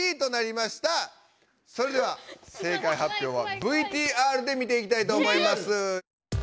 それでは正解はっぴょうはＶＴＲで見ていきたいと思います。